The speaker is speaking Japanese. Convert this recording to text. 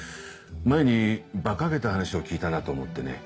前にバカげた話を聞いたなと思ってね。